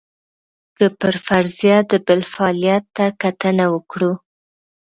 که پر فرضیه د بل فعالیت ته کتنه وکړو.